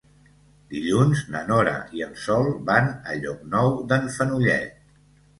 Dilluns na Nora i en Sol van a Llocnou d'en Fenollet.